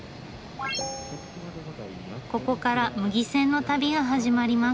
ここから牟岐線の旅が始まります。